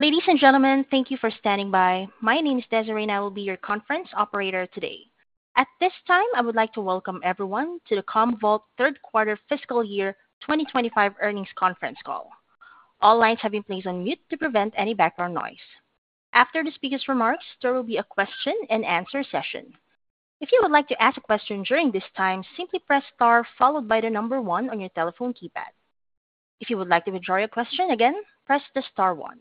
Ladies and gentlemen, thank you for standing by. My name is Desiree, and I will be your conference operator today. At this time, I would like to welcome everyone to the Commvault Third Quarter Fiscal Year 2025 Earnings Conference Call. All lines have been placed on mute to prevent any background noise. After the speaker's remarks, there will be a question-and-answer session. If you would like to ask a question during this time, simply press star followed by the number one on your telephone keypad. If you would like to withdraw your question again, press the star one.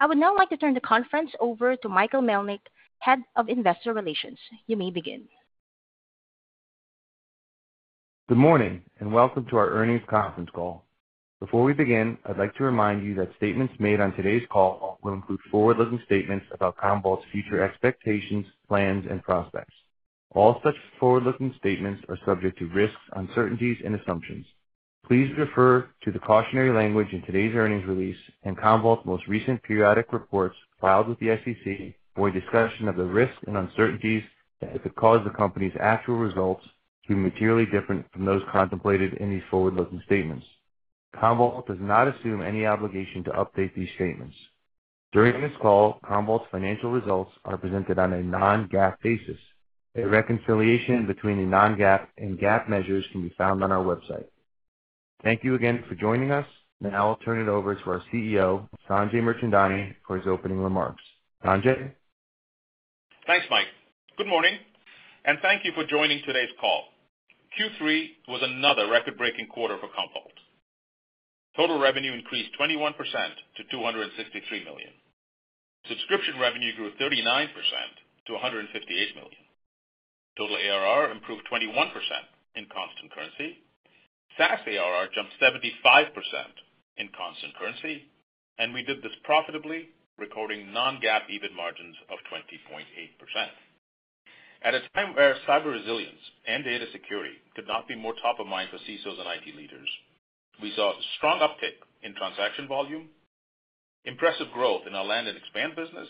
I would now like to turn the conference over to Michael Melnyk, Head of Investor Relations. You may begin. Good morning, and welcome to our earnings conference call. Before we begin, I'd like to remind you that statements made on today's call will include forward-looking statements about Commvault's future expectations, plans, and prospects. All such forward-looking statements are subject to risks, uncertainties, and assumptions. Please refer to the cautionary language in today's earnings release and Commvault's most recent periodic reports filed with the SEC for a discussion of the risks and uncertainties that could cause the company's actual results to be materially different from those contemplated in these forward-looking statements. Commvault does not assume any obligation to update these statements. During this call, Commvault's financial results are presented on a non-GAAP basis. A reconciliation between the non-GAAP and GAAP measures can be found on our website. Thank you again for joining us. Now I'll turn it over to our CEO, Sanjay Mirchandani, for his opening remarks. Sanjay? Thanks, Mike. Good morning, and thank you for joining today's call. Q3 was another record-breaking quarter for Commvault. Total revenue increased 21% to $263 million. Subscription revenue grew 39% to $158 million. Total ARR improved 21% in constant currency. SaaS ARR jumped 75% in constant currency, and we did this profitably, recording non-GAAP EBIT margins of 20.8%. At a time where cyber resilience and data security could not be more top of mind for CISOs and IT leaders, we saw a strong uptick in transaction volume, impressive growth in our land and expand business,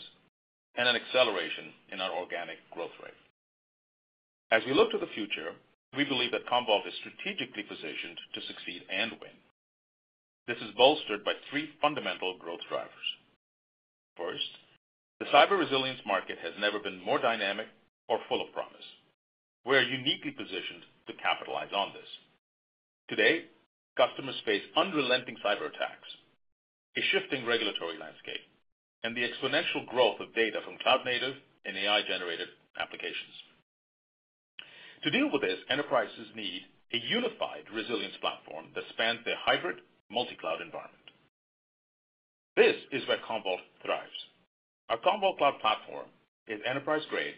and an acceleration in our organic growth rate. As we look to the future, we believe that Commvault is strategically positioned to succeed and win. This is bolstered by three fundamental growth drivers. First, the cyber resilience market has never been more dynamic or full of promise. We are uniquely positioned to capitalize on this. Today, customers face unrelenting cyber attacks, a shifting regulatory landscape, and the exponential growth of data from cloud-native and AI-generated applications. To deal with this, enterprises need a unified resilience platform that spans their hybrid multi-cloud environment. This is where Commvault thrives. Our Commvault Cloud Platform is enterprise-grade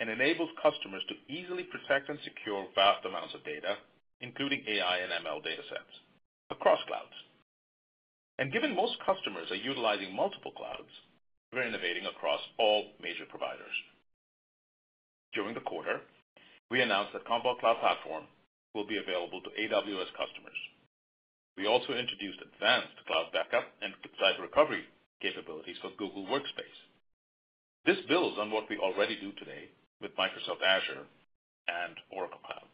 and enables customers to easily protect and secure vast amounts of data, including AI and ML data sets, across clouds, and given most customers are utilizing multiple clouds, we're innovating across all major providers. During the quarter, we announced that the Commvault Cloud Platform will be available to AWS customers. We also introduced advanced cloud backup and site recovery capabilities for Google Workspace. This builds on what we already do today with Microsoft Azure and Oracle Cloud.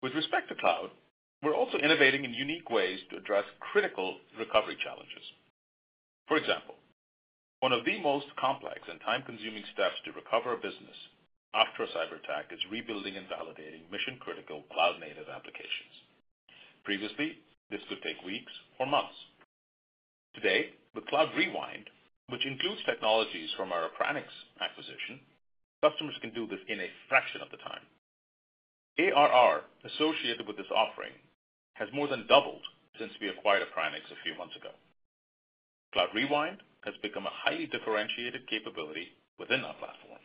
With respect to cloud, we're also innovating in unique ways to address critical recovery challenges. For example, one of the most complex and time-consuming steps to recover a business after a cyber attack is rebuilding and validating mission-critical cloud-native applications. Previously, this could take weeks or months. Today, with Cloud Rewind, which includes technologies from our Appranix acquisition, customers can do this in a fraction of the time. ARR associated with this offering has more than doubled since we acquired Appranix a few months ago. Cloud Rewind has become a highly differentiated capability within our platform,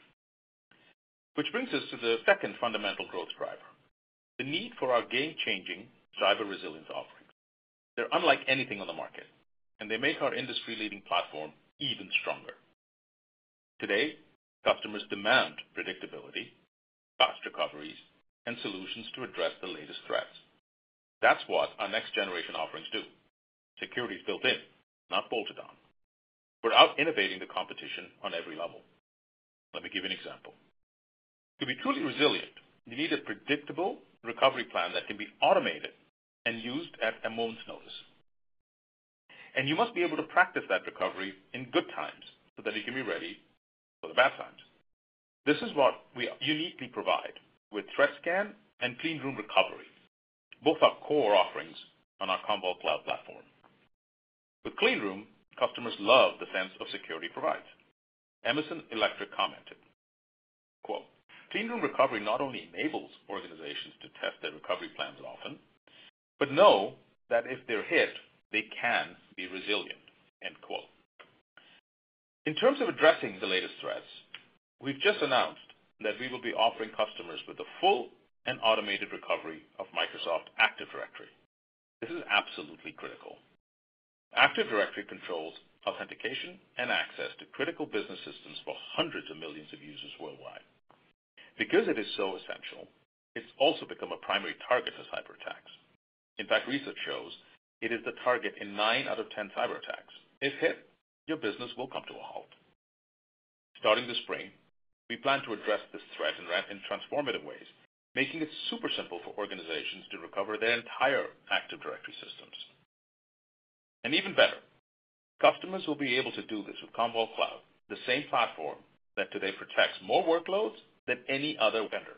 which brings us to the second fundamental growth driver: the need for our game-changing cyber resilience offerings. They're unlike anything on the market, and they make our industry-leading platform even stronger. Today, customers demand predictability, fast recoveries, and solutions to address the latest threats. That's what our next-generation offerings do. Security is built in, not bolted on. We're out-innovating the competition on every level. Let me give you an example. To be truly resilient, you need a predictable recovery plan that can be automated and used at a moment's notice, and you must be able to practice that recovery in good times so that you can be ready for the bad times. This is what we uniquely provide with ThreatScan and Cleanroom Recovery, both our core offerings on our Commvault Cloud Platform. With Cleanroom, customers love the sense of security it provides. Emerson Electric commented, "Cleanroom Recovery not only enables organizations to test their recovery plans often, but know that if they're hit, they can be resilient." In terms of addressing the latest threats, we've just announced that we will be offering customers the full and automated recovery of Microsoft Active Directory. This is absolutely critical. Active Directory controls authentication and access to critical business systems for hundreds of millions of users worldwide. Because it is so essential, it's also become a primary target for cyber attacks. In fact, research shows it is the target in nine out of 10 cyber attacks. If hit, your business will come to a halt. Starting this spring, we plan to address this threat in transformative ways, making it super simple for organizations to recover their entire Active Directory systems. And even better, customers will be able to do this with Commvault Cloud, the same platform that today protects more workloads than any other vendor.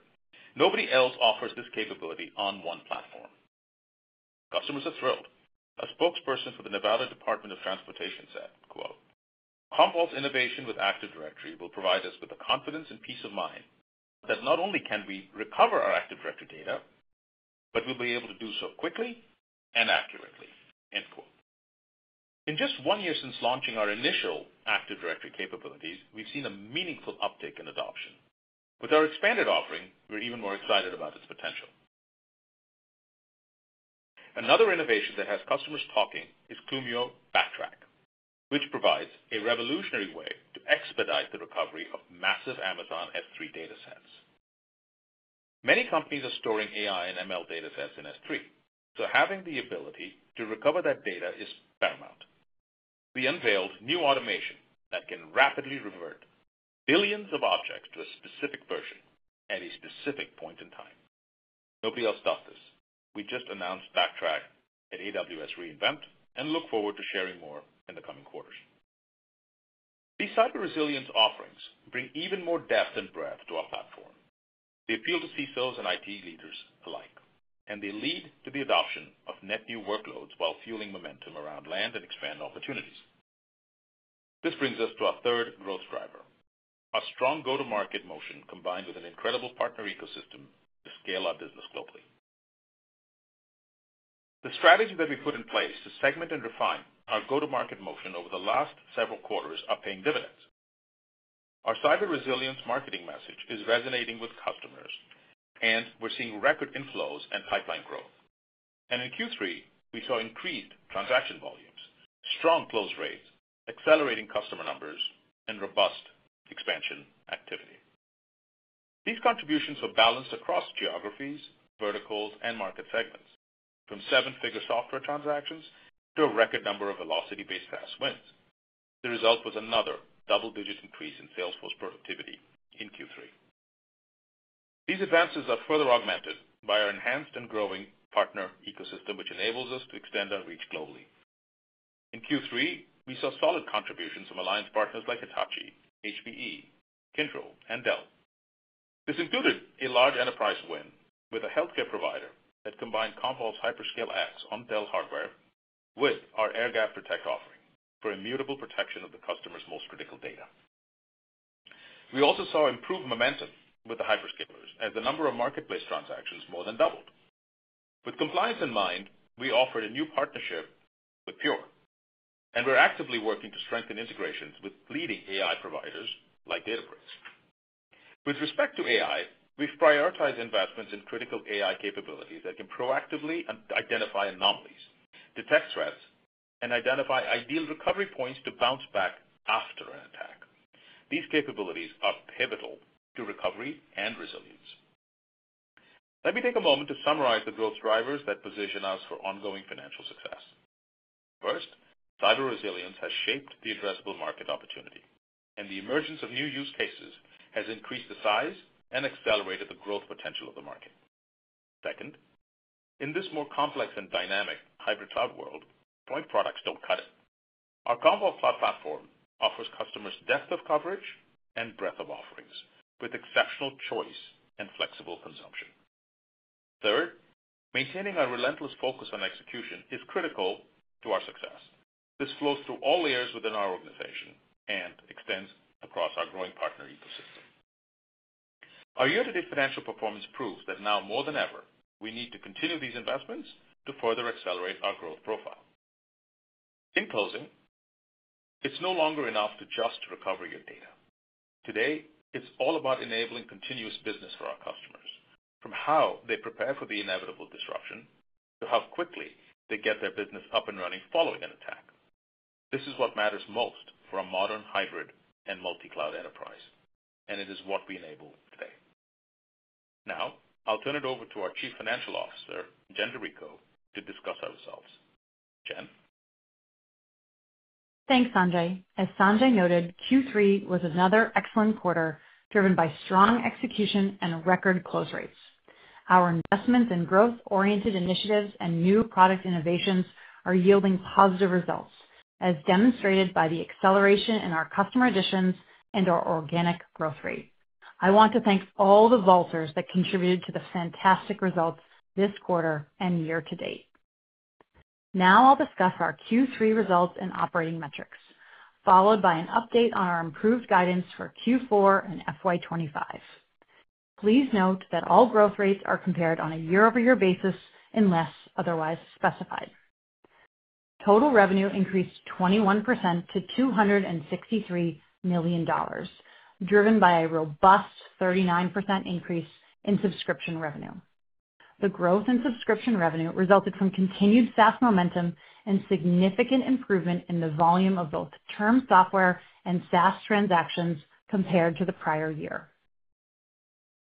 Nobody else offers this capability on one platform. Customers are thrilled. A spokesperson for the Nevada Department of Transportation said, "Commvault's innovation with Active Directory will provide us with the confidence and peace of mind that not only can we recover our Active Directory data, but we'll be able to do so quickly and accurately." In just one year since launching our initial Active Directory capabilities, we've seen a meaningful uptick in adoption. With our expanded offering, we're even more excited about its potential. Another innovation that has customers talking is Clumio Backtrack, which provides a revolutionary way to expedite the recovery of massive Amazon S3 data sets. Many companies are storing AI and ML data sets in S3, so having the ability to recover that data is paramount. We unveiled new automation that can rapidly revert billions of objects to a specific version at a specific point in time. Nobody else does this. We just announced Backtrack at AWS re:Invent and look forward to sharing more in the coming quarters. These cyber resilience offerings bring even more depth and breadth to our platform. They appeal to CISOs and IT leaders alike, and they lead to the adoption of net new workloads while fueling momentum around land and expand opportunities. This brings us to our third growth driver: our strong go-to-market motion combined with an incredible partner ecosystem to scale our business globally. The strategy that we put in place to segment and refine our go-to-market motion over the last several quarters is paying dividends. Our cyber resilience marketing message is resonating with customers, and we're seeing record inflows and pipeline growth. And in Q3, we saw increased transaction volumes, strong close rates, accelerating customer numbers, and robust expansion activity. These contributions were balanced across geographies, verticals, and market segments, from seven-figure software transactions to a record number of velocity-based SaaS wins. The result was another double-digit increase in sales force productivity in Q3. These advances are further augmented by our enhanced and growing partner ecosystem, which enables us to extend our reach globally. In Q3, we saw solid contributions from alliance partners like Hitachi, HPE, Kyndryl, and Dell. This included a large enterprise win with a healthcare provider that combined Commvault's HyperScale X on Dell hardware with our Air Gap Protect offering for immutable protection of the customer's most critical data. We also saw improved momentum with the hyperscalers as the number of marketplace transactions more than doubled. With compliance in mind, we offered a new partnership with Pure Storage, and we're actively working to strengthen integrations with leading AI providers like Databricks. With respect to AI, we've prioritized investments in critical AI capabilities that can proactively identify anomalies, detect threats, and identify ideal recovery points to bounce back after an attack. These capabilities are pivotal to recovery and resilience. Let me take a moment to summarize the growth drivers that position us for ongoing financial success. First, cyber resilience has shaped the addressable market opportunity, and the emergence of new use cases has increased the size and accelerated the growth potential of the market. Second, in this more complex and dynamic hybrid cloud world, point products don't cut it. Our Commvault Cloud Platform offers customers depth of coverage and breadth of offerings with exceptional choice and flexible consumption. Third, maintaining our relentless focus on execution is critical to our success. This flows through all layers within our organization and extends across our growing partner ecosystem. Our year-to-date financial performance proves that now more than ever, we need to continue these investments to further accelerate our growth profile. In closing, it's no longer enough to just recover your data. Today, it's all about enabling continuous business for our customers, from how they prepare for the inevitable disruption to how quickly they get their business up and running following an attack. This is what matters most for a modern hybrid and multi-cloud enterprise, and it is what we enable today. Now, I'll turn it over to our Chief Financial Officer, Jen DiRico, to discuss our results. Jen? Thanks, Sanjay. As Sanjay noted, Q3 was another excellent quarter driven by strong execution and record close rates. Our investments in growth-oriented initiatives and new product innovations are yielding positive results, as demonstrated by the acceleration in our customer additions and our organic growth rate. I want to thank all the colleagues that contributed to the fantastic results this quarter and year to date. Now I'll discuss our Q3 results and operating metrics, followed by an update on our improved guidance for Q4 and FY 2025. Please note that all growth rates are compared on a year-over-year basis unless otherwise specified. Total revenue increased 21% to $263 million, driven by a robust 39% increase in subscription revenue. The growth in subscription revenue resulted from continued SaaS momentum and significant improvement in the volume of both term software and SaaS transactions compared to the prior year.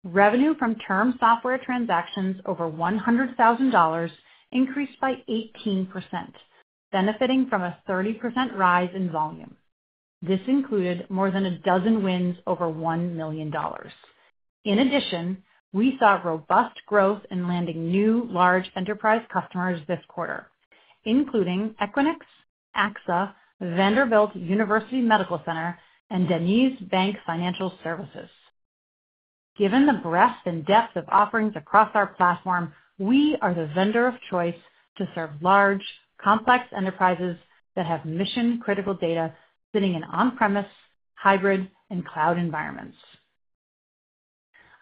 Revenue from term software transactions over $100,000 increased by 18%, benefiting from a 30% rise in volume. This included more than a dozen wins over $1 million. In addition, we saw robust growth in landing new large enterprise customers this quarter, including Equinix, AXA, Vanderbilt University Medical Center, and DenizBank. Given the breadth and depth of offerings across our platform, we are the vendor of choice to serve large, complex enterprises that have mission-critical data sitting in on-premise, hybrid, and cloud environments.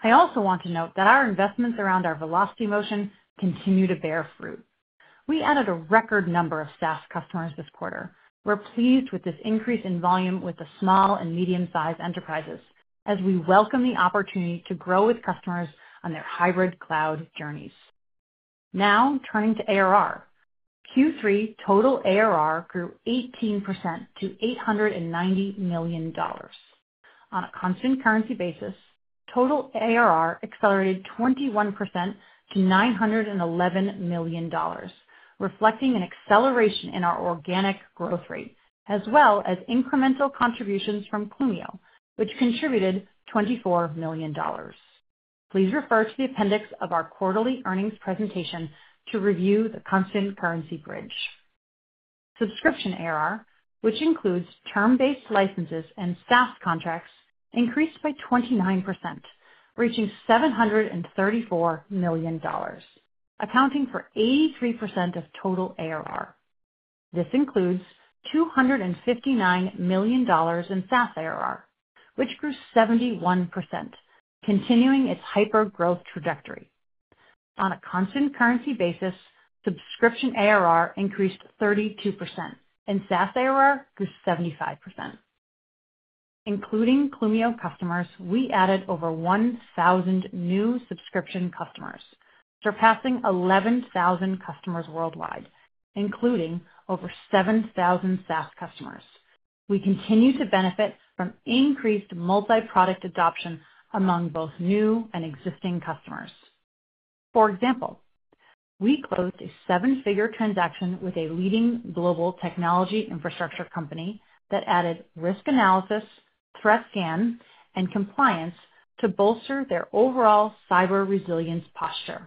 I also want to note that our investments around our velocity motion continue to bear fruit. We added a record number of SaaS customers this quarter. We're pleased with this increase in volume with the small and medium-sized enterprises as we welcome the opportunity to grow with customers on their hybrid cloud journeys. Now turning to ARR, Q3 total ARR grew 18% to $890 million. On a constant currency basis, total ARR accelerated 21% to $911 million, reflecting an acceleration in our organic growth rate, as well as incremental contributions from Clumio, which contributed $24 million. Please refer to the appendix of our quarterly earnings presentation to review the constant currency bridge. Subscription ARR, which includes term-based licenses and SaaS contracts, increased by 29%, reaching $734 million, accounting for 83% of total ARR. This includes $259 million in SaaS ARR, which grew 71%, continuing its hyper-growth trajectory. On a constant currency basis, subscription ARR increased 32%, and SaaS ARR grew 75%. Including Clumio customers, we added over 1,000 new subscription customers, surpassing 11,000 customers worldwide, including over 7,000 SaaS customers. We continue to benefit from increased multi-product adoption among both new and existing customers. For example, we closed a seven-figure transaction with a leading global technology infrastructure company that added risk analysis, ThreatScan, and compliance to bolster their overall cyber resilience posture.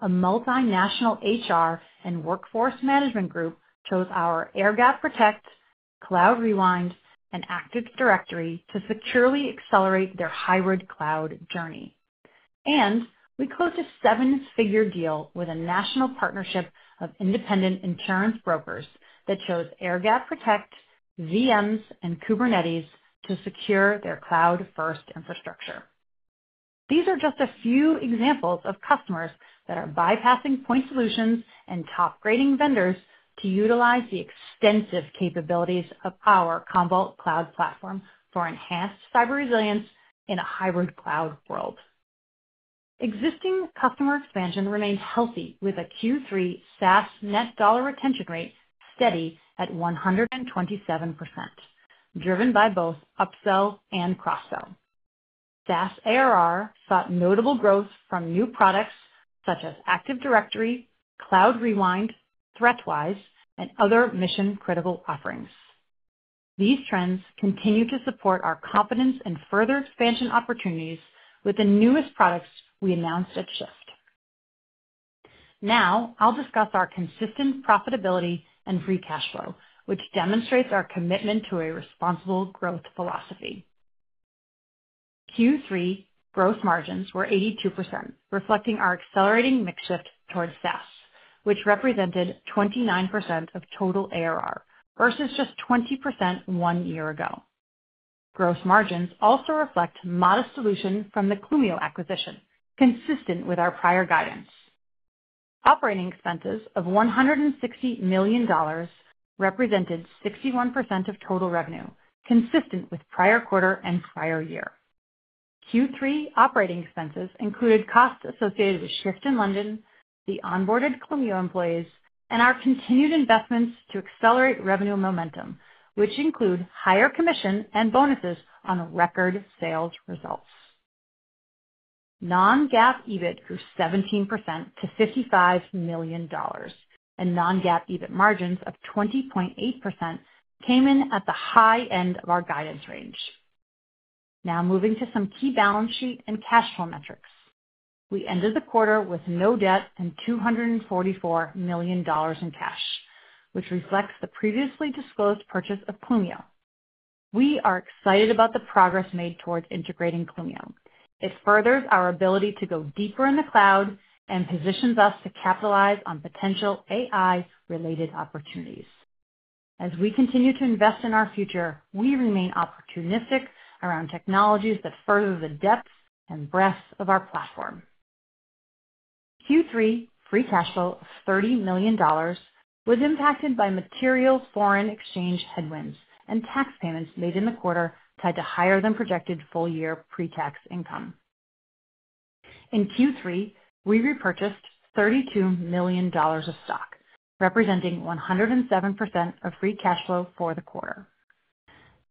A multinational HR and workforce management group chose our Air Gap Protect, Cloud Rewind, and Active Directory to securely accelerate their hybrid cloud journey, and we closed a seven-figure deal with a national partnership of independent insurance brokers that chose Air Gap Protect, VMs, and Kubernetes to secure their cloud-first infrastructure. These are just a few examples of customers that are bypassing point solutions and top-grading vendors to utilize the extensive capabilities of our Commvault Cloud Platform for enhanced cyber resilience in a hybrid cloud world. Existing customer expansion remained healthy with a Q3 SaaS net dollar retention rate steady at 127%, driven by both upsell and cross-sell. SaaS ARR saw notable growth from new products such as Active Directory, Cloud Rewind, ThreatWise, and other mission-critical offerings. These trends continue to support our confidence in further expansion opportunities with the newest products we announced at Shift. Now I'll discuss our consistent profitability and free cash flow, which demonstrates our commitment to a responsible growth philosophy. Q3 gross margins were 82%, reflecting our accelerating mix shift towards SaaS, which represented 29% of total ARR versus just 20% one year ago. Gross margins also reflect modest dilution from the Clumio acquisition, consistent with our prior guidance. Operating expenses of $160 million represented 61% of total revenue, consistent with prior quarter and prior year. Q3 operating expenses included costs associated with Shift in London, the onboarded Clumio employees, and our continued investments to accelerate revenue momentum, which include higher commission and bonuses on record sales results. Non-GAAP EBIT grew 17% to $55 million, and Non-GAAP EBIT margins of 20.8% came in at the high end of our guidance range. Now moving to some key balance sheet and cash flow metrics. We ended the quarter with no debt and $244 million in cash, which reflects the previously disclosed purchase of Clumio. We are excited about the progress made towards integrating Clumio. It furthers our ability to go deeper in the cloud and positions us to capitalize on potential AI-related opportunities. As we continue to invest in our future, we remain opportunistic around technologies that further the depth and breadth of our platform. Q3 free cash flow of $30 million was impacted by material foreign exchange headwinds and tax payments made in the quarter tied to higher than projected full-year pre-tax income. In Q3, we repurchased $32 million of stock, representing 107% of free cash flow for the quarter.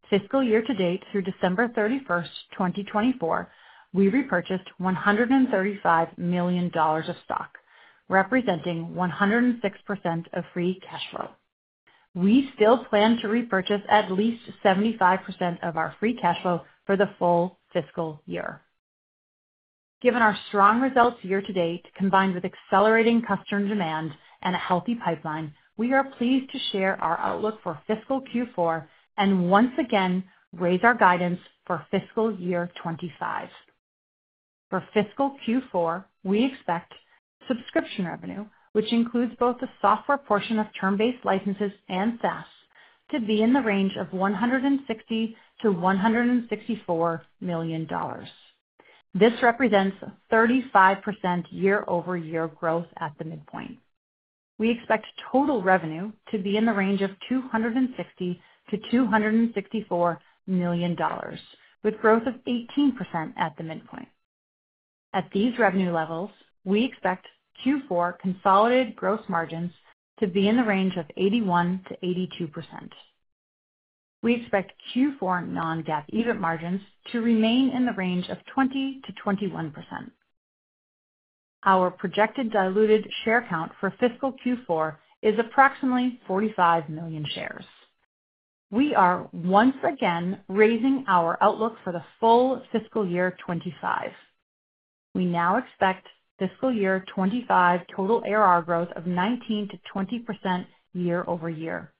Fiscal year-to-date through December 31st, 2024, we repurchased $135 million of stock, representing 106% of free cash flow. We still plan to repurchase at least 75% of our free cash flow for the full fiscal year. Given our strong results year-to-date combined with accelerating customer demand and a healthy pipeline, we are pleased to share our outlook for fiscal Q4 and once again raise our guidance for fiscal year 2025. For fiscal Q4, we expect subscription revenue, which includes both the software portion of term-based licenses and SaaS, to be in the range of $160-$164 million. This represents a 35% year-over-year growth at the midpoint. We expect total revenue to be in the range of $260-$264 million, with growth of 18% at the midpoint. At these revenue levels, we expect Q4 consolidated gross margins to be in the range of 81%-82%. We expect Q4 non-GAAP EBIT margins to remain in the range of 20%-21%. Our projected diluted share count for fiscal Q4 is approximately 45 million shares. We are once again raising our outlook for the full fiscal year 2025. We now expect fiscal year 2025 total ARR growth of 19%-20% year-over-year.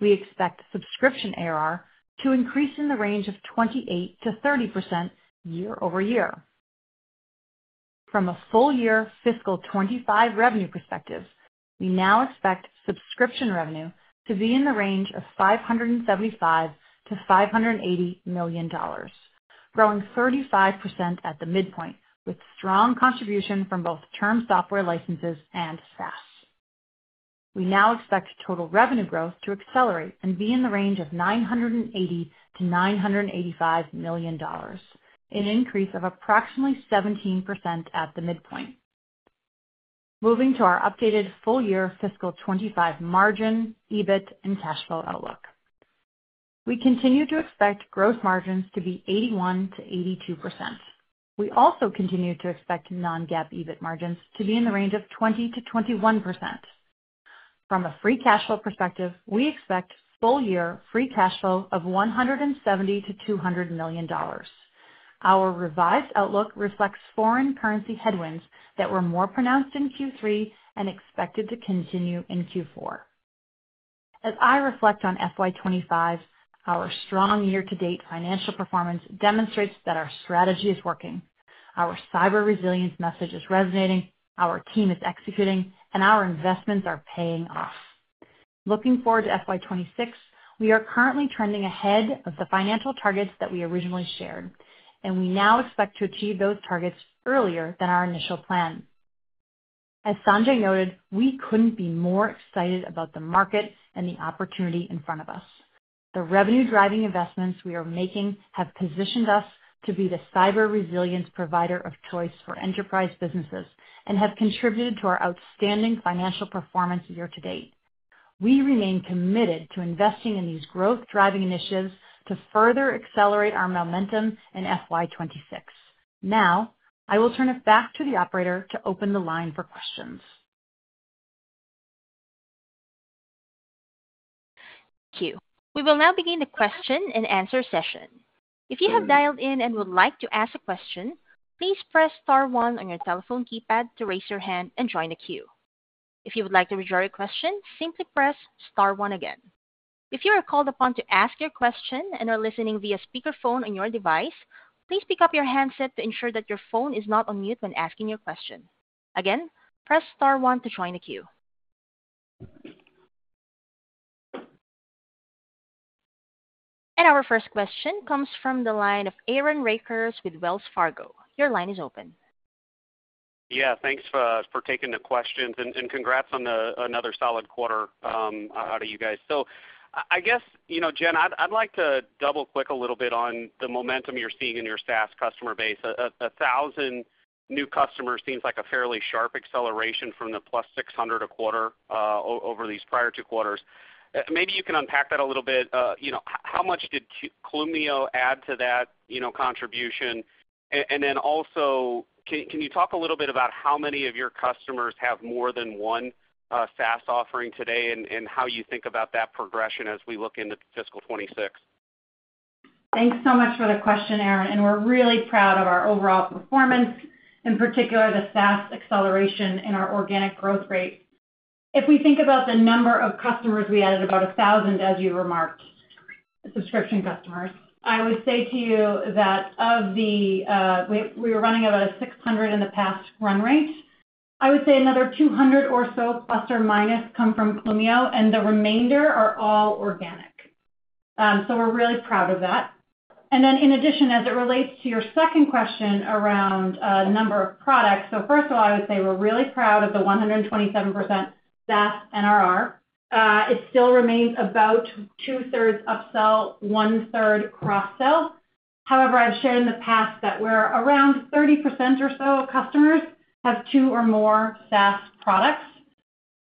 We expect subscription ARR to increase in the range of 28%-30% year-over-year. From a full-year fiscal 2025 revenue perspective, we now expect subscription revenue to be in the range of $575-$580 million, growing 35% at the midpoint with strong contribution from both term software licenses and SaaS. We now expect total revenue growth to accelerate and be in the range of $980-$985 million, an increase of approximately 17% at the midpoint. Moving to our updated full-year fiscal 2025 margin, EBIT, and cash flow outlook. We continue to expect gross margins to be 81%-82%. We also continue to expect non-GAAP EBIT margins to be in the range of 20%-21%. From a free cash flow perspective, we expect full-year free cash flow of $170-$200 million. Our revised outlook reflects foreign currency headwinds that were more pronounced in Q3 and expected to continue in Q4. As I reflect on FY 2025, our strong year-to-date financial performance demonstrates that our strategy is working, our cyber resilience message is resonating, our team is executing, and our investments are paying off. Looking forward to FY 2026, we are currently trending ahead of the financial targets that we originally shared, and we now expect to achieve those targets earlier than our initial plan. As Sanjay noted, we couldn't be more excited about the market and the opportunity in front of us. The revenue-driving investments we are making have positioned us to be the cyber resilience provider of choice for enterprise businesses and have contributed to our outstanding financial performance year-to-date. We remain committed to investing in these growth-driving initiatives to further accelerate our momentum in FY 2026. Now I will turn it back to the operator to open the line for questions. Thank you. We will now begin the question and answer session. If you have dialed in and would like to ask a question, please press Star one on your telephone keypad to raise your hand and join the queue. If you would like to reserve your question, simply press Star one again. If you are called upon to ask your question and are listening via speakerphone on your device, please pick up your handset to ensure that your phone is not on mute when asking your question. Again, press Star one to join the queue. Our first question comes from the line of Aaron Rakers with Wells Fargo. Your line is open. Yeah, thanks for taking the questions and congrats on another solid quarter out of you guys. So I guess, you know, Jen, I'd like to double-click a little bit on the momentum you're seeing in your SaaS customer base. A thousand new customers seems like a fairly sharp acceleration from the plus 600 a quarter over these prior two quarters. Maybe you can unpack that a little bit. You know, how much did Clumio add to that contribution? And then also, can you talk a little bit about how many of your customers have more than one SaaS offering today and how you think about that progression as we look into fiscal 2026? Thanks so much for the question, Aaron, and we're really proud of our overall performance, in particular the SaaS acceleration and our organic growth rate. If we think about the number of customers we added, about 1,000, as you remarked, subscription customers, I would say to you that of the we were running about 600 in the past run rate. I would say another 200 or so, plus or minus, come from Clumio, and the remainder are all organic. So we're really proud of that. And then in addition, as it relates to your second question around the number of products, so first of all, I would say we're really proud of the 127% SaaS NRR. It still remains about two-thirds upsell, one-third cross-sell. However, I've shared in the past that we're around 30% or so of customers have two or more SaaS products.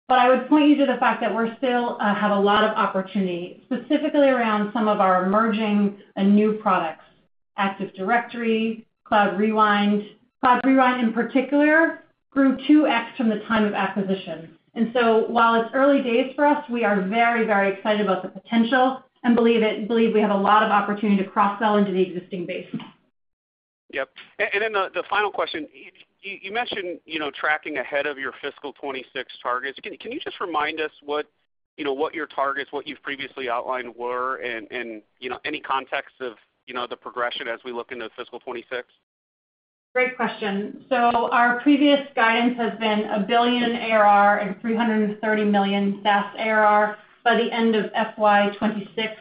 But I would point you to the fact that we still have a lot of opportunity, specifically around some of our emerging and new products: Active Directory, Cloud Rewind. Cloud Rewind, in particular, grew 2x from the time of acquisition. And so while it's early days for us, we are very, very excited about the potential and believe we have a lot of opportunity to cross-sell into the existing base. Yep. And then the final question, you mentioned tracking ahead of your fiscal 2026 targets. Can you just remind us what your targets, what you've previously outlined were, and any context of the progression as we look into fiscal 2026? Great question. So our previous guidance has been $1 billion ARR and $330 million SaaS ARR by the end of FY 2026.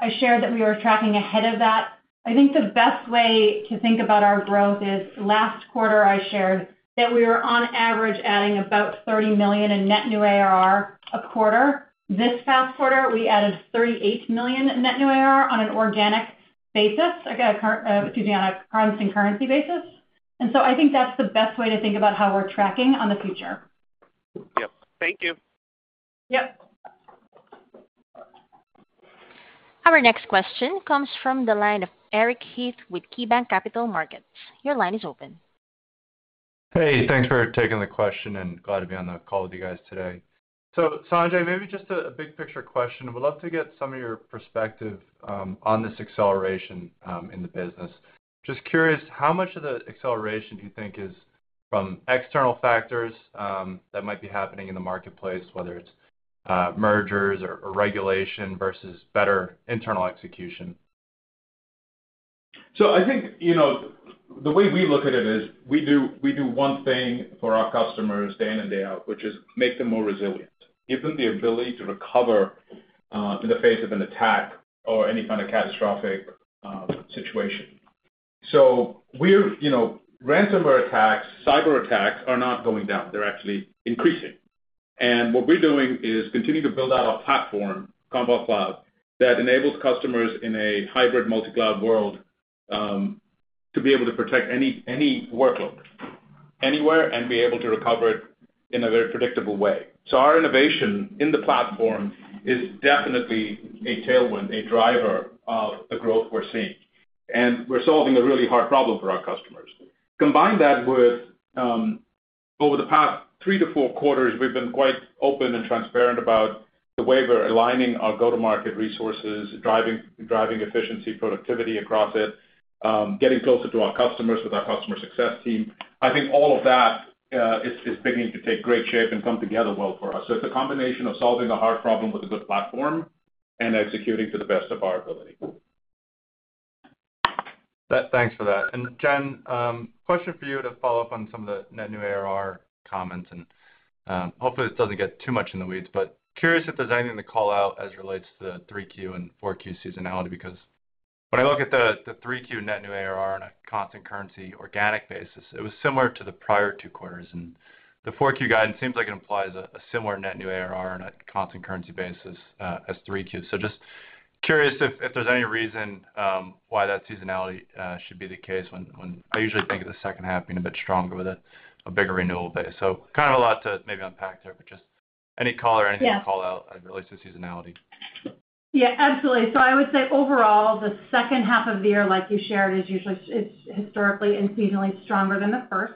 I shared that we were tracking ahead of that. I think the best way to think about our growth is last quarter, I shared that we were on average adding about $30 million in net new ARR a quarter. This past quarter, we added $38 million in net new ARR on an organic basis, excuse me, on a currency basis. And so I think that's the best way to think about how we're tracking on the future. Yep. Thank you. Yep. Our next question comes from the line of Eric Heath with KeyBanc Capital Markets. Your line is open. Hey, thanks for taking the question, and glad to be on the call with you guys today. Sanjay, maybe just a big picture question. I would love to get some of your perspective on this acceleration in the business. Just curious, how much of the acceleration do you think is from external factors that might be happening in the marketplace, whether it's mergers or regulation versus better internal execution? I think the way we look at it is we do one thing for our customers day in and day out, which is make them more resilient, give them the ability to recover in the face of an attack or any kind of catastrophic situation. Ransomware attacks, cyber attacks are not going down. They're actually increasing. What we're doing is continuing to build out our platform, Commvault Cloud, that enables customers in a hybrid multi-cloud world to be able to protect any workload anywhere and be able to recover it in a very predictable way. Our innovation in the platform is definitely a tailwind, a driver of the growth we're seeing. We're solving a really hard problem for our customers. Combine that with over the past three to four quarters, we've been quite open and transparent about the way we're aligning our go-to-market resources, driving efficiency, productivity across it, getting closer to our customers with our customer success team. I think all of that is beginning to take great shape and come together well for us. It's a combination of solving a hard problem with a good platform and executing to the best of our ability. Thanks for that. And Jen, question for you to follow up on some of the net new ARR comments. And hopefully, this doesn't get too much in the weeds, but curious if there's anything to call out as it relates to the 3Q and 4Q seasonality because when I look at the 3Q net new ARR on a constant currency organic basis, it was similar to the prior two quarters. And the 4Q guidance seems like it implies a similar net new ARR on a constant currency basis as 3Q. So just curious if there's any reason why that seasonality should be the case when I usually think of the second half being a bit stronger with a bigger renewal base. So kind of a lot to maybe unpack there, but just any call or anything to call out as it relates to seasonality. Yeah, absolutely. So I would say overall, the second half of the year, like you shared, is usually historically and seasonally stronger than the first.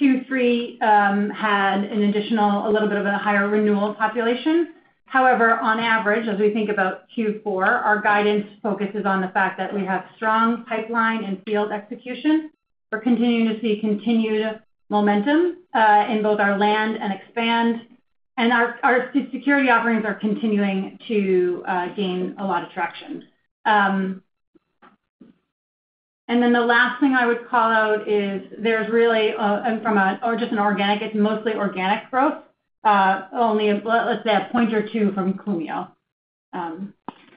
Q3 had an additional, a little bit of a higher renewal population. However, on average, as we think about Q4, our guidance focuses on the fact that we have strong pipeline and field execution. We're continuing to see continued momentum in both our land and expand. And our security offerings are continuing to gain a lot of traction. And then the last thing I would call out is there's really from just an organic, it's mostly organic growth, only let's say a point or two from Clumio. And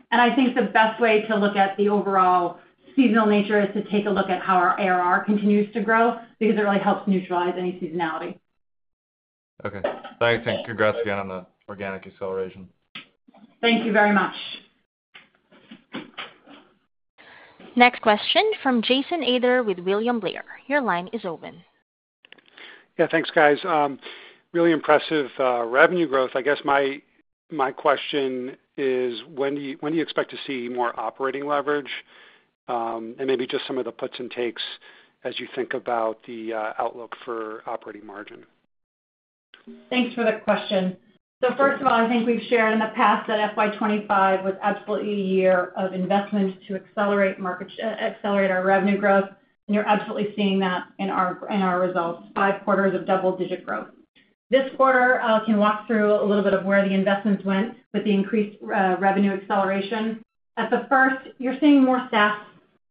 I think the best way to look at the overall seasonal nature is to take a look at how our ARR continues to grow because it really helps neutralize any seasonality. Okay. Thanks. Congrats again on the organic acceleration. Thank you very much. Next question from Jason Ader with William Blair. Your line is open. Yeah, thanks, guys. Really impressive revenue growth. I guess my question is, when do you expect to see more operating leverage and maybe just some of the puts and takes as you think about the outlook for operating margin? Thanks for the question. First of all, I think we've shared in the past that FY 2025 was absolutely a year of investment to accelerate our revenue growth. You're absolutely seeing that in our results. Five quarters of double-digit growth. This quarter, I can walk through a little bit of where the investments went with the increased revenue acceleration. At the first, you're seeing more SaaS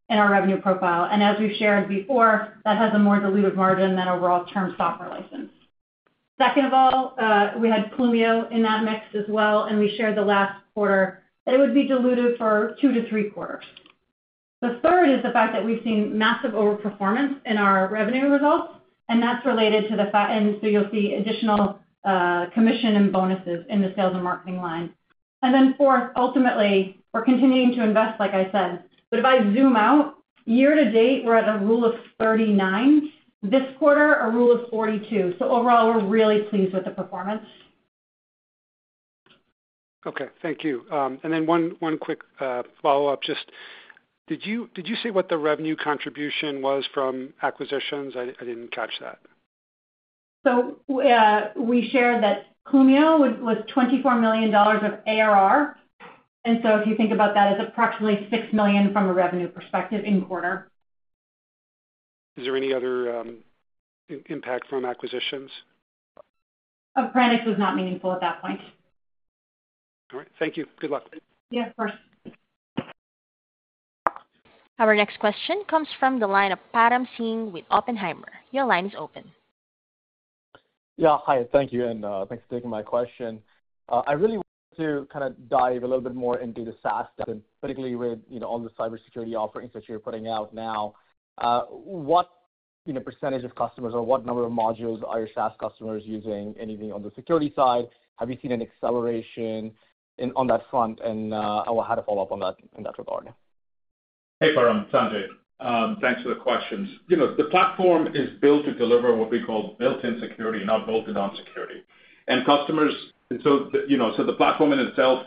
in our revenue profile. As we've shared before, that has a more diluted margin than overall term software license. Second of all, we had Clumio in that mix as well, and we shared the last quarter that it would be diluted for two to three quarters. The third is the fact that we've seen massive overperformance in our revenue results, and that's related to the fact, and so you'll see additional commission and bonuses in the sales and marketing line, and then fourth, ultimately, we're continuing to invest, like I said. But if I zoom out, year to date, we're at a rule of 39. This quarter, a rule of 42. So overall, we're really pleased with the performance. Okay. Thank you, and then one quick follow-up. Just did you say what the revenue contribution was from acquisitions? I didn't catch that, so we shared that Clumio was $24 million of ARR, and so if you think about that, it's approximately $6 million from a revenue perspective in quarter. Is there any other impact from acquisitions? Appranix was not meaningful at that point. All right. Thank you. Good luck. Yeah, of course. Our next question comes from the line of Param Singh with Oppenheimer. Your line is open. Yeah, hi. Thank you. And thanks for taking my question. I really want to kind of dive a little bit more into the SaaS, particularly with all the cybersecurity offerings that you're putting out now. What percentage of customers or what number of modules are your SaaS customers using? Anything on the security side? Have you seen an acceleration on that front? And I will have to follow up on that in that regard. Hey, Param. Sanjay. Thanks for the questions. The platform is built to deliver what we call built-in security, not bolted-on security. And customers. And so the platform in itself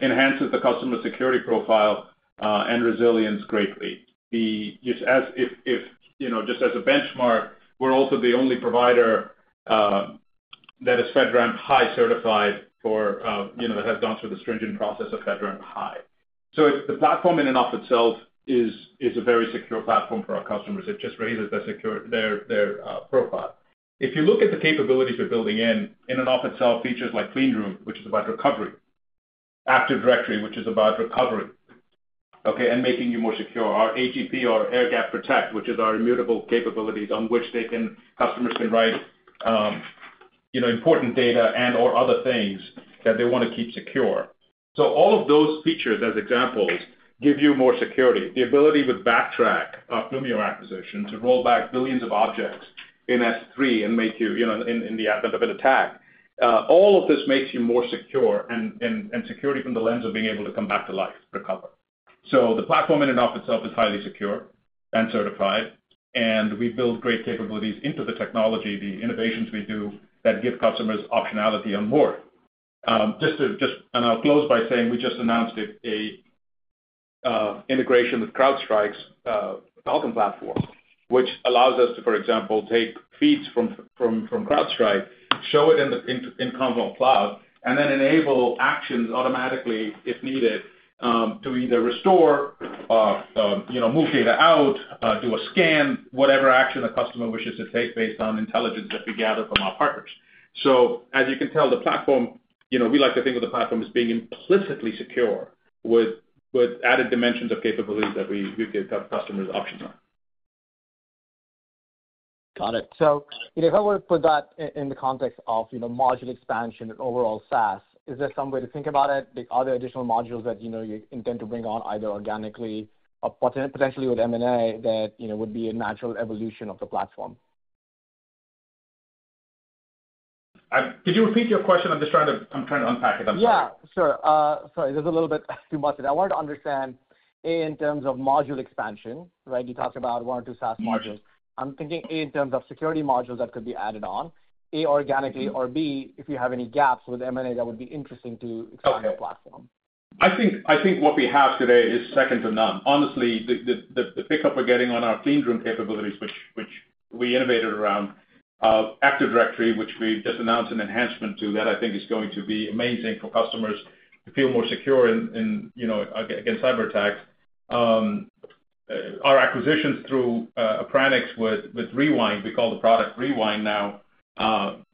enhances the customer security profile and resilience greatly. Just as a benchmark, we're also the only provider that is FedRAMP High certified, that has gone through the stringent process of FedRAMP High. So the platform in and of itself is a very secure platform for our customers. It just raises their profile. If you look at the capabilities we're building in and of itself, features like Cleanroom, which is about recovery, Active Directory, which is about recovery, okay, and making you more secure, our AGP, our Air Gap Protect, which is our immutable capabilities on which customers can write important data and/or other things that they want to keep secure. So all of those features as examples give you more security. The ability with Backtrack, our Clumio acquisition, to roll back billions of objects in S3 and make you in the event of an attack, all of this makes you more secure and security from the lens of being able to come back to life, recover. So the platform in and of itself is highly secure and certified. And we build great capabilities into the technology, the innovations we do that give customers optionality on more. And I'll close by saying we just announced a integration with CrowdStrike's Falcon platform, which allows us to, for example, take feeds from CrowdStrike, show it in Commvault Cloud, and then enable actions automatically if needed to either restore, move data out, do a scan, whatever action a customer wishes to take based on intelligence that we gather from our partners. So as you can tell, the platform, we like to think of the platform as being implicitly secure with added dimensions of capabilities that we give customers options on. Got it. So if I were to put that in the context of module expansion and overall SaaS, is there some way to think about it? Are there additional modules that you intend to bring on either organically or potentially with M&A that would be a natural evolution of the platform? Could you repeat your question? I'm just trying to unpack it. I'm sorry. Yeah, sure. Sorry. This is a little bit too much. I wanted to understand in terms of module expansion, right? You talked about one or two SaaS modules. I'm thinking in terms of security modules that could be added on, A, organically, or B, if you have any gaps with M&A that would be interesting to expand the platform. I think what we have today is second to none. Honestly, the pickup we're getting on our Cleanroom capabilities, which we innovated around Active Directory, which we just announced an enhancement to, that I think is going to be amazing for customers to feel more secure against cyber attacks. Our acquisitions through Appranix with Rewind, we call the product Rewind now,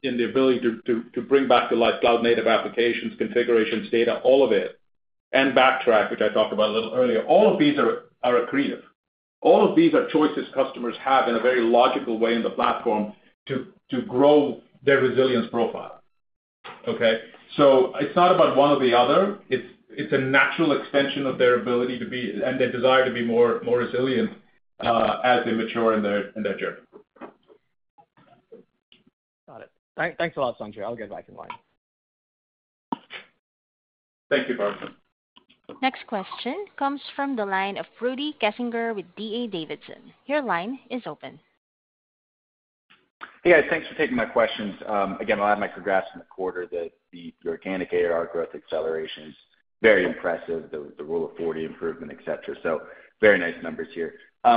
in the ability to bring back the cloud-native applications, configurations, data, all of it, and Backtrack, which I talked about a little earlier. All of these are accretive. All of these are choices customers have in a very logical way in the platform to grow their resilience profile. Okay? So it's not about one or the other. It's a natural extension of their ability to be and their desire to be more resilient as they mature in their journey. Got it. Thanks a lot, Sanjay. I'll get back in line. Thank you, Param. Next question comes from the line of Rudy Kessinger with D.A. Davidson. Your line is open. Hey, guys. Thanks for taking my questions. Again, I'll add my congrats in the quarter that the organic ARR growth acceleration is very impressive, the Rule of 40 improvement, etc. So very nice numbers here. I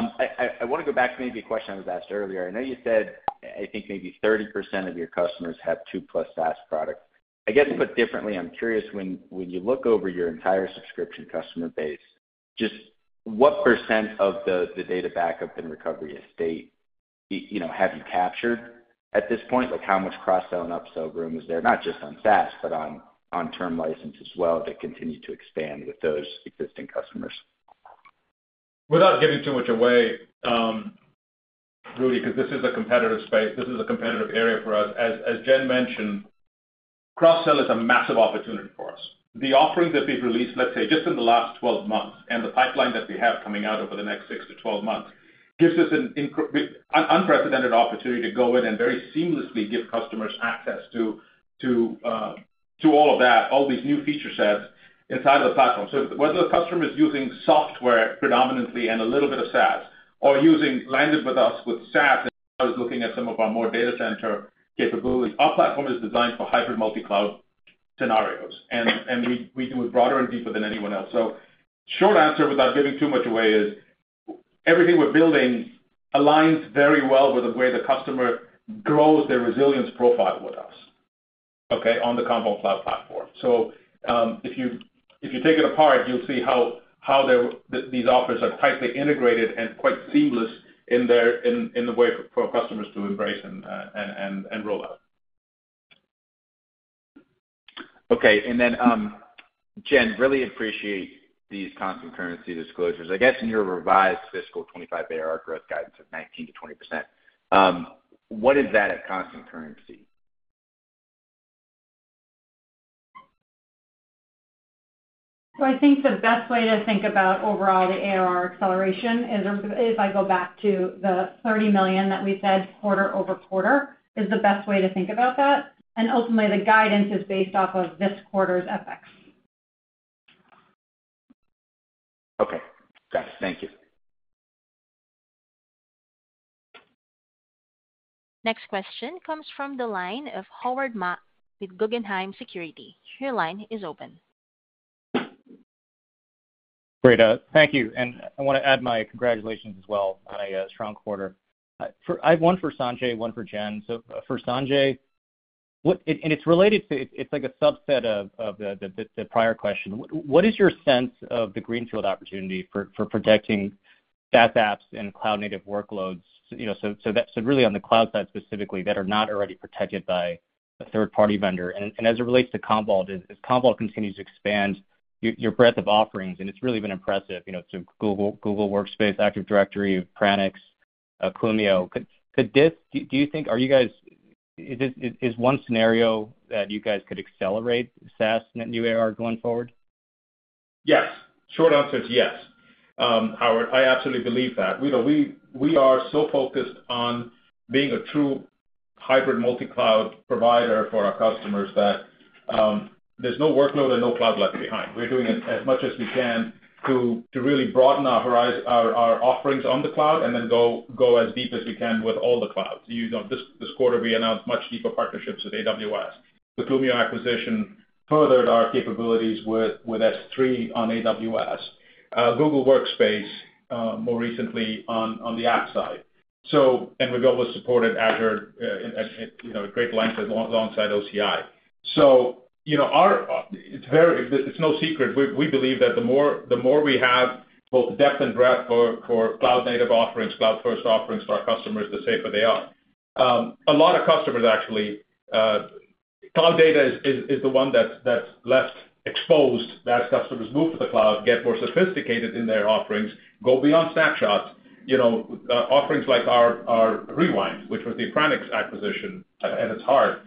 want to go back to maybe a question I was asked earlier. I know you said, I think, maybe 30% of your customers have two-plus SaaS products. I guess put differently, I'm curious, when you look over your entire subscription customer base, just what % of the data backup and recovery estate have you captured at this point? How much cross-sell and upsell room is there, not just on SaaS, but on term license as well to continue to expand with those existing customers? Without giving too much away, Rudy, because this is a competitive space, this is a competitive area for us. As Jen mentioned, cross-sell is a massive opportunity for us. The offering that we've released, let's say, just in the last 12 months and the pipeline that we have coming out over the next six to 12 months gives us an unprecedented opportunity to go in and very seamlessly give customers access to all of that, all these new feature sets inside of the platform. So whether the customer is using software predominantly and a little bit of SaaS or landed with us with SaaS and is looking at some of our more data center capabilities, our platform is designed for hybrid multi-cloud scenarios. We do it broader and deeper than anyone else. So short answer, without giving too much away, is everything we're building aligns very well with the way the customer grows their resilience profile with us, okay, on the Commvault Cloud platform. So if you take it apart, you'll see how these offers are tightly integrated and quite seamless in the way for customers to embrace and roll out. Okay. And then, Jen, really appreciate these constant currency disclosures. I guess in your revised fiscal 2025 ARR growth guidance of 19%-20%, what is that at constant currency? So I think the best way to think about overall the ARR acceleration is if I go back to the $30 million that we said quarter over quarter is the best way to think about that. And ultimately, the guidance is based off of this quarter's FX. Okay. Got it. Thank you. Next question comes from the line of Howard Ma with Guggenheim Securities. Your line is open. Great. Thank you. And I want to add my congratulations as well on a strong quarter. I have one for Sanjay, one for Jen. So for Sanjay, and it's related to it's like a subset of the prior question. What is your sense of the greenfield opportunity for protecting SaaS apps and cloud-native workloads? So really on the cloud side specifically that are not already protected by a third-party vendor. And as it relates to Commvault, as Commvault continues to expand your breadth of offerings, and it's really been impressive to Google Workspace, Active Directory, Appranix, Clumio. Do you think are you guys is one scenario that you guys could accelerate SaaS net new ARR going forward? Yes. Short answer is yes, Howard. I absolutely believe that. We are so focused on being a true hybrid multi-cloud provider for our customers that there's no workload and no cloud left behind. We're doing as much as we can to really broaden our offerings on the cloud and then go as deep as we can with all the clouds. This quarter, we announced much deeper partnerships with AWS. The Clumio acquisition furthered our capabilities with S3 on AWS, Google Workspace more recently on the app side. And we've always supported Azure at great length alongside OCI. So it's no secret. We believe that the more we have both depth and breadth for cloud-native offerings, cloud-first offerings for our customers, the safer they are. A lot of customers, actually, cloud data is the one that's less exposed as customers move to the cloud, get more sophisticated in their offerings, go beyond snapshots. Offerings like our Rewind, which was the Appranix acquisition at its heart,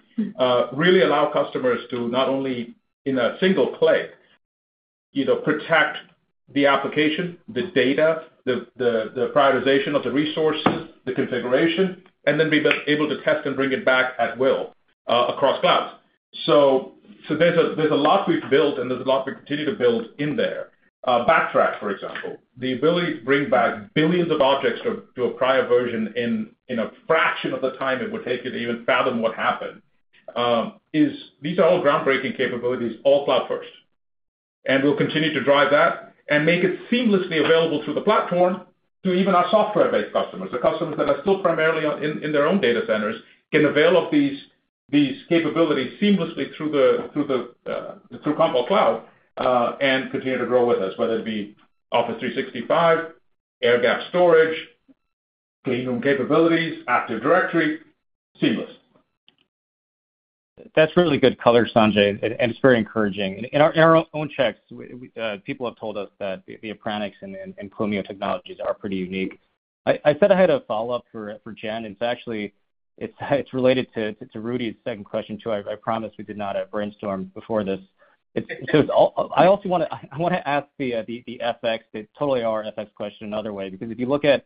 really allow customers to not only in a single click protect the application, the data, the prioritization of the resources, the configuration, and then be able to test and bring it back at will across clouds. So there's a lot we've built and there's a lot we continue to build in there. Backtrack, for example, the ability to bring back billions of objects to a prior version in a fraction of the time it would take you to even fathom what happened. These are all groundbreaking capabilities, all cloud-first. And we'll continue to drive that and make it seamlessly available through the platform to even our software-based customers. The customers that are still primarily in their own data centers can avail of these capabilities seamlessly through Commvault Cloud and continue to grow with us, whether it be Office 365, Air Gap Protect, Cleanroom capabilities, Active Directory, seamless. That's really good color, Sanjay, and it's very encouraging. In our own checks, people have told us that the Appranix and Clumio technologies are pretty unique. I said I had a follow-up for Jen, and so actually, it's related to Rudy's second question too. I promise we did not brainstorm before this. So I also want to ask the FX, the total ARR FX question another way. Because if you look at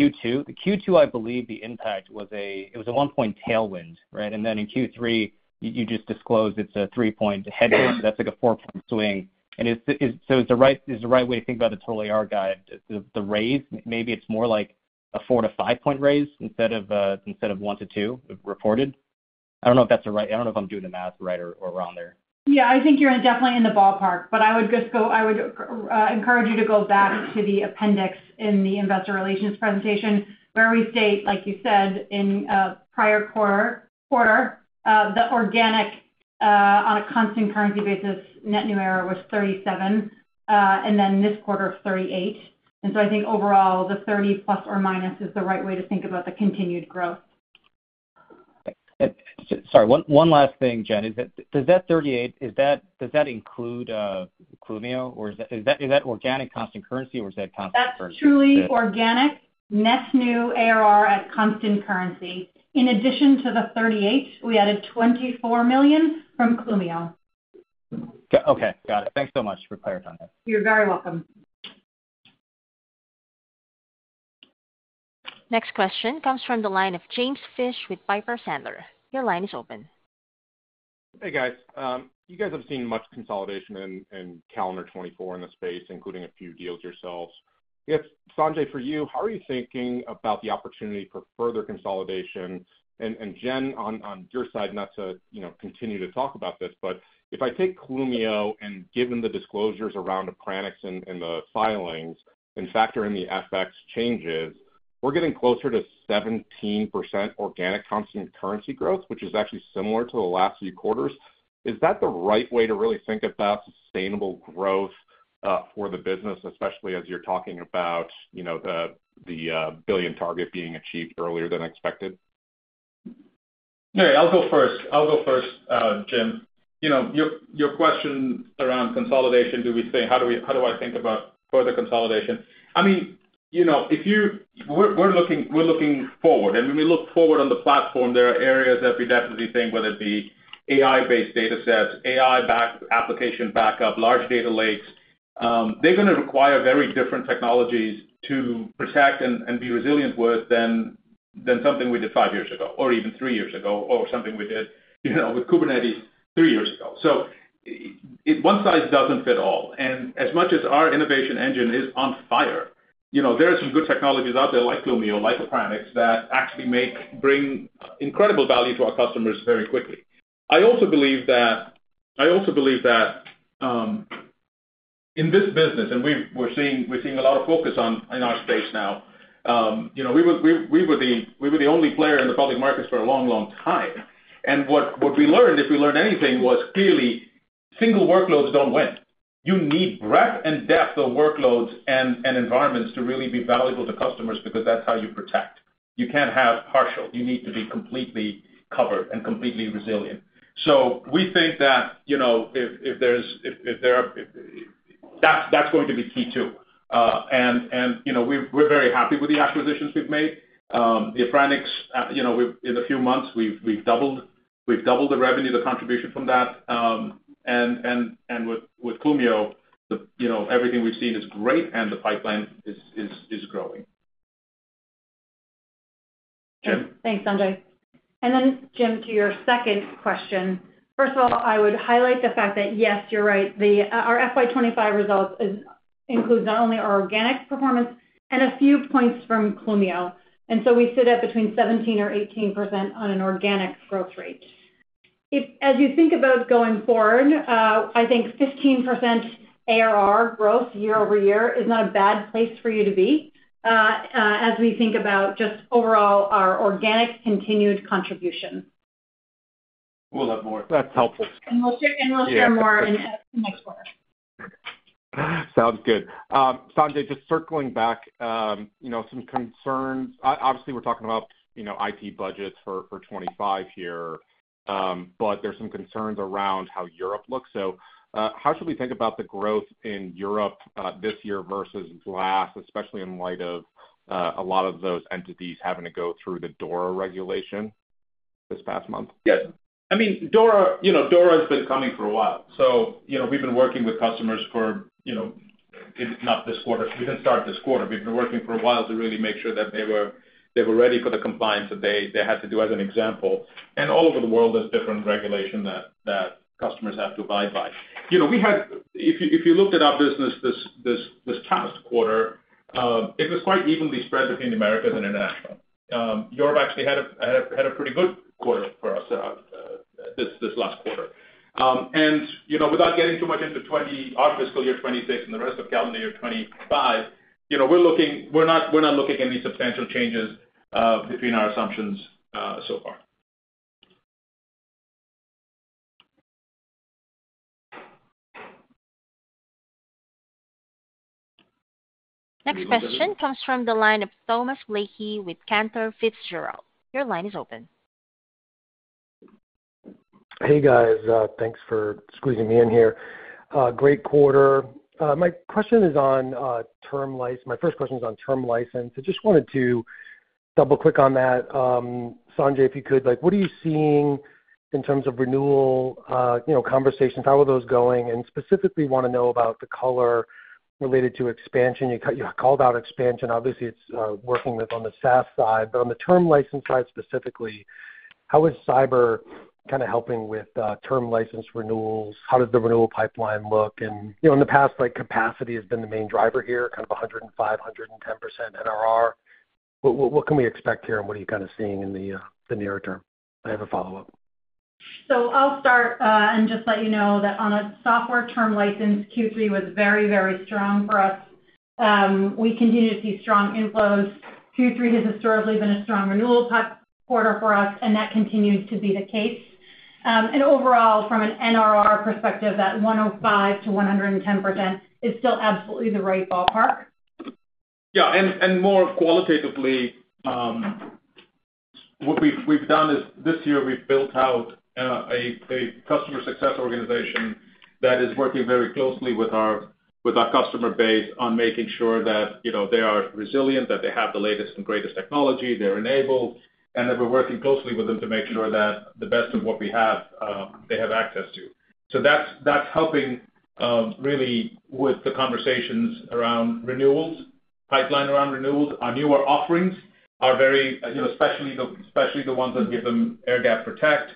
Q2, Q2, I believe the impact was a one-point tailwind, right? And then in Q3, you just disclosed it's a three-point headwind. That's like a four-point swing. And so, is the right way to think about the total ARR guide, the raise? Maybe it's more like a four- to five-point raise instead of one- to two-point reported? I don't know if that's right. I don't know if I'm doing the math right or wrong there. Yeah. I think you're definitely in the ballpark. But I would just go. I would encourage you to go back to the appendix in the investor relations presentation where we state, like you said, in prior quarter, the organic on a constant currency basis net new ARR was 37. And then this quarter, 38. And so I think overall, the 30 plus or minus is the right way to think about the continued growth. Sorry. One last thing, Jen. Does that 38, does that include Clumio? Or is that organic constant currency or is that constant currency? That's truly organic net new ARR at constant currency. In addition to the $38 million, we added $24 million from Clumio. Okay. Got it. Thanks so much for clarifying that. You're very welcome. Next question comes from the line of James Fish with Piper Sandler. Your line is open. Hey, guys. You guys have seen much consolidation in calendar 2024 in the space, including a few deals yourselves. Yes, Sanjay, for you, how are you thinking about the opportunity for further consolidation? And Jen, on your side, not to continue to talk about this, but if I take Clumio and given the disclosures around Appranix and the filings and factor in the FX changes, we're getting closer to 17% organic constant currency growth, which is actually similar to the last few quarters. Is that the right way to really think about sustainable growth for the business, especially as you're talking about the billion target being achieved earlier than expected? Okay. I'll go first. I'll go first, Jim. Your question around consolidation, do we say, how do I think about further consolidation? I mean, if we're looking forward, and when we look forward on the platform, there are areas that we definitely think, whether it be AI-based data sets, AI application backup, large data lakes, they're going to require very different technologies to protect and be resilient with than something we did five years ago or even three years ago or something we did with Kubernetes three years ago. So one size doesn't fit all. As much as our innovation engine is on fire, there are some good technologies out there like Clumio, like Appranix that actually bring incredible value to our customers very quickly. I also believe that in this business, and we're seeing a lot of focus on in our space now, we were the only player in the public markets for a long, long time. What we learned, if we learned anything, was clearly single workloads don't win. You need breadth and depth of workloads and environments to really be valuable to customers because that's how you protect. You can't have partial. You need to be completely covered and completely resilient. We think that that's going to be key too. We're very happy with the acquisitions we've made. The Appranix, in a few months, we've doubled the revenue, the contribution from that. With Clumio, everything we've seen is great and the pipeline is growing. Thanks, Sanjay. Then, Jim, to your second question. First of all, I would highlight the fact that, yes, you're right. Our FY 2025 results include not only our organic performance and a few points from Clumio. So we sit at between 17 or 18% on an organic growth rate. As you think about going forward, I think 15% ARR growth year over year is not a bad place for you to be as we think about just overall our organic continued contribution. We'll have more. That's helpful. We'll share more in the next quarter. Sounds good. Sanjay, just circling back, some concerns. Obviously, we're talking about IT budgets for 2025 here, but there's some concerns around how Europe looks. So how should we think about the growth in Europe this year versus last, especially in light of a lot of those entities having to go through the DORA regulation this past month? Yes. I mean, DORA has been coming for a while. So we've been working with customers for not this quarter. We didn't start this quarter. We've been working for a while to really make sure that they were ready for the compliance that they had to do as an example. And all over the world, there's different regulation that customers have to abide by. If you looked at our business this past quarter, it was quite evenly spread between America and the international. Europe actually had a pretty good quarter for us this last quarter. And without getting too much into 2020, our fiscal year 2026 and the rest of calendar year 2025, we're not looking at any substantial changes between our assumptions so far. Next question comes from the line of Thomas Blakey with Cantor Fitzgerald. Your line is open. Hey, guys. Thanks for squeezing me in here. Great quarter. My question is on term license. My first question is on term license. I just wanted to double-click on that. Sanjay, if you could, what are you seeing in terms of renewal conversations? How are those going? And specifically, want to know about the color related to expansion. You called out expansion. Obviously, it's working on the SaaS side. But on the term license side specifically, how is cyber kind of helping with term license renewals? How does the renewal pipeline look? In the past, capacity has been the main driver here, kind of 105%-110% NRR. What can we expect here and what are you kind of seeing in the nearer term? I have a follow-up. I'll start and just let you know that on a software term license, Q3 was very, very strong for us. We continue to see strong inflows. Q3 has historically been a strong renewal quarter for us, and that continues to be the case. Overall, from an NRR perspective, that 105%-110% is still absolutely the right ballpark. Yeah. And more qualitatively, what we've done is this year, we've built out a customer success organization that is working very closely with our customer base on making sure that they are resilient, that they have the latest and greatest technology, they're enabled, and that we're working closely with them to make sure that the best of what we have, they have access to. So that's helping really with the conversations around renewals, pipeline around renewals. Our newer offerings are very, especially the ones that give them Air Gap Protect,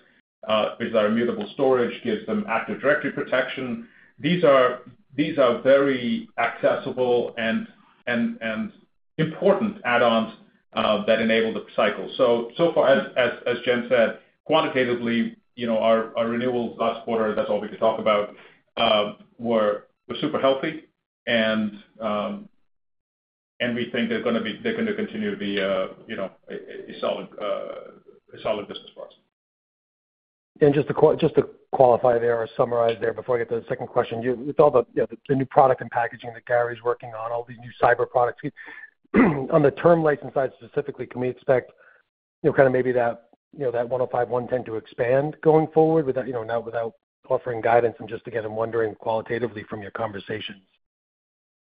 which is our immutable storage, gives them Active Directory protection. These are very accessible and important add-ons that enable the cycle. So far, as Jen said, quantitatively, our renewals last quarter, that's all we could talk about, were super healthy. And we think they're going to continue to be a solid business for us. And just to qualify there or summarize there before I get to the second question, with all the new product and packaging that Gary's working on, all these new cyber products, on the term license side specifically, can we expect kind of maybe that 105%-110% to expand going forward now without offering guidance? And just again, I'm wondering qualitatively from your conversations,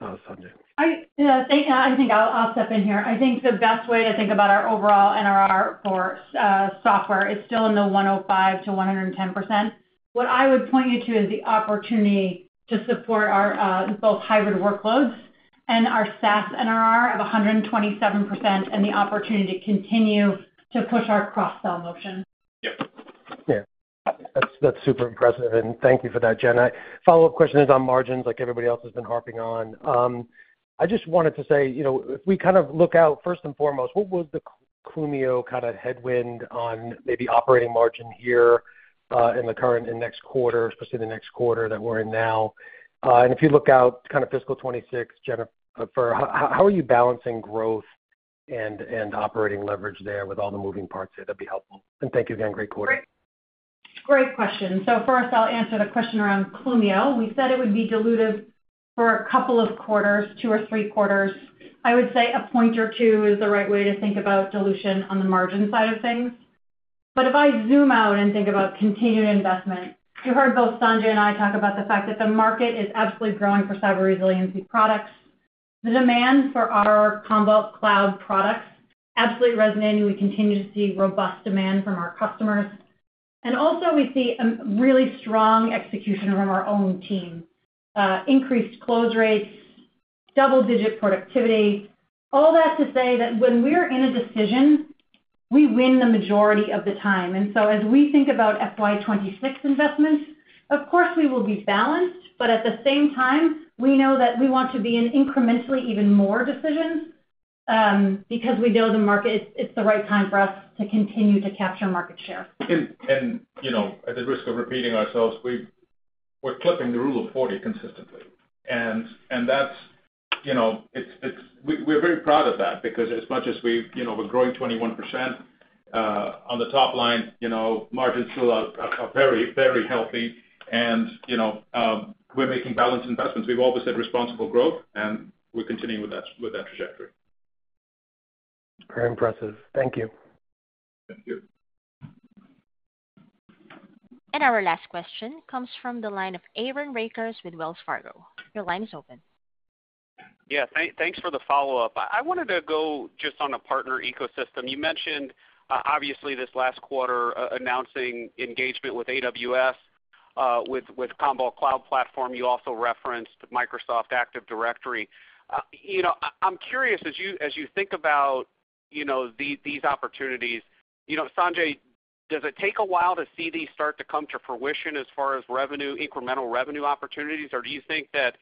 Sanjay? I think I'll step in here. I think the best way to think about our overall NRR for software is still in the 105%-110%. What I would point you to is the opportunity to support our both hybrid workloads and our SaaS NRR of 127% and the opportunity to continue to push our cross-sell motion. Yeah. Yeah. That's super impressive. And thank you for that, Jen. Follow-up question is on margins like everybody else has been harping on. I just wanted to say, if we kind of look out, first and foremost, what was the Clumio kind of headwind on maybe operating margin here in the current and next quarter, especially the next quarter that we're in now? And if you look out kind of fiscal 2026, Jennifer, how are you balancing growth and operating leverage there with all the moving parts there? That'd be helpful. And thank you again. Great quarter. Great question. So first, I'll answer the question around Clumio. We said it would be dilutive for a couple of quarters, two or three quarters. I would say a point or two is the right way to think about dilution on the margin side of things. But if I zoom out and think about continued investment, you heard both Sanjay and I talk about the fact that the market is absolutely growing for cyber resiliency products. The demand for our Commvault Cloud products absolutely resonating. We continue to see robust demand from our customers. And also, we see a really strong execution from our own team, increased close rates, double-digit productivity. All that to say that when we're in a decision, we win the majority of the time. And so as we think about FY 2026 investments, of course, we will be balanced. But at the same time, we know that we want to be in incrementally even more decisions because we know the market, it's the right time for us to continue to capture market share. And at the risk of repeating ourselves, we're clipping the Rule of 40 consistently. And we're very proud of that because as much as we're growing 21% on the top line, margins still are very, very healthy. And we're making balanced investments. We've always had responsible growth, and we're continuing with that trajectory. Very impressive. Thank you. Thank you. And our last question comes from the line of Aaron Rakers with Wells Fargo. Your line is open. Yeah. Thanks for the follow-up. I wanted to go just on a partner ecosystem. You mentioned, obviously, this last quarter announcing engagement with AWS, with Commvault Cloud Platform. You also referenced Microsoft Active Directory. I'm curious, as you think about these opportunities, Sanjay, does it take a while to see these start to come to fruition as far as revenue, incremental revenue opportunities? Or do you think that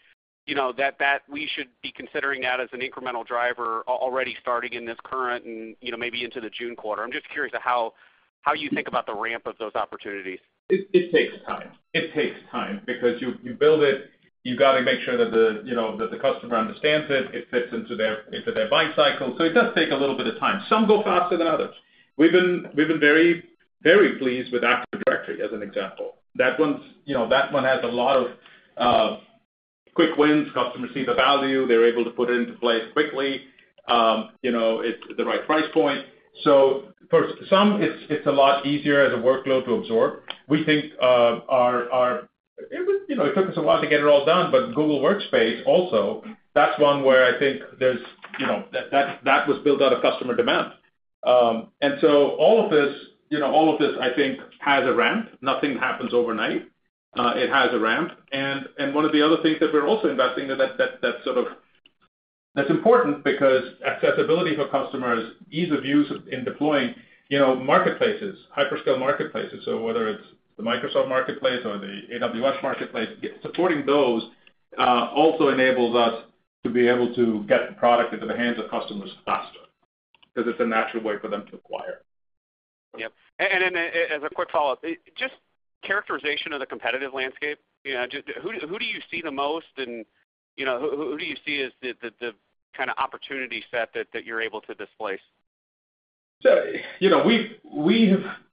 we should be considering that as an incremental driver already starting in this current and maybe into the June quarter? I'm just curious how you think about the ramp of those opportunities. It takes time. It takes time because you build it. You've got to make sure that the customer understands it. It fits into their buying cycle. So it does take a little bit of time. Some go faster than others. We've been very, very pleased with Active Directory as an example. That one has a lot of quick wins. Customers see the value. They're able to put it into place quickly. It's the right price point. So for some, it's a lot easier as a workload to absorb. We think it took us a while to get it all done, but Google Workspace also. That's one where I think that was built out of customer demand. And so all of this, all of this, I think, has a ramp. Nothing happens overnight. It has a ramp. One of the other things that we're also investing in that's important because accessibility for customers, ease of use in deploying marketplaces, hyperscale marketplaces, so whether it's the Microsoft marketplace or the AWS marketplace, supporting those also enables us to be able to get product into the hands of customers faster because it's a natural way for them to acquire. Yep. As a quick follow-up, just characterization of the competitive landscape. Who do you see the most and who do you see as the kind of opportunity set that you're able to displace?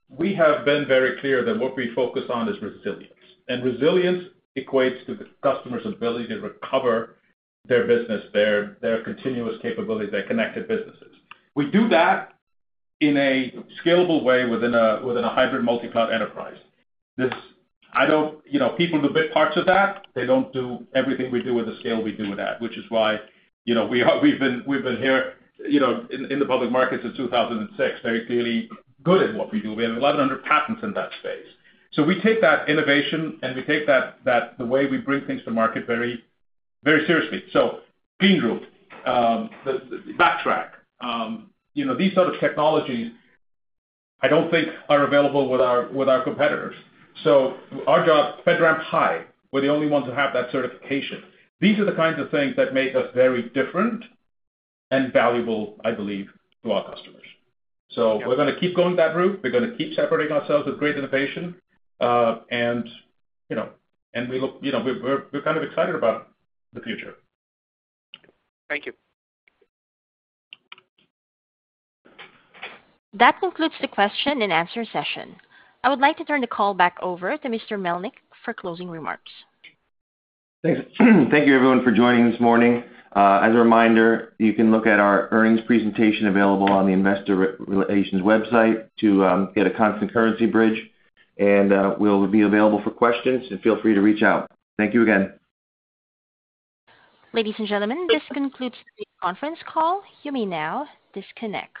We have been very clear that what we focus on is resilience. And resilience equates to the customer's ability to recover their business, their continuous capabilities, their connected businesses. We do that in a scalable way within a hybrid multi-cloud enterprise. I don't see people do all parts of that. They don't do everything we do with the scale we do with that, which is why we've been here in the public markets since 2006, very clearly good at what we do. We have 1,100 patents in that space. So we take that innovation and we take the way we bring things to market very seriously. So Beanroot, Backtrack, these sort of technologies, I don't think are available with our competitors. So our job, FedRAMP High, we're the only ones who have that certification. These are the kinds of things that make us very different and valuable, I believe, to our customers. So we're going to keep going that route. We're going to keep separating ourselves with great innovation. And we look, we're kind of excited about the future. Thank you. That concludes the question and answer session. I would like to turn the call back over to Mr. Melnyk for closing remarks. Thanks. Thank you, everyone, for joining this morning. As a reminder, you can look at our earnings presentation available on the Investor Relations website to get a constant currency bridge. And we'll be available for questions, and feel free to reach out. Thank you again. Ladies and gentlemen, this concludes today's conference call. You may now disconnect.